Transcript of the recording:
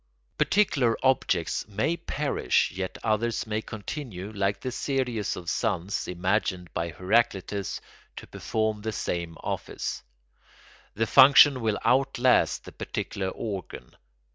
Particular objects may perish yet others may continue, like the series of suns imagined by Heraclitus, to perform the same office. The function will outlast the particular organ.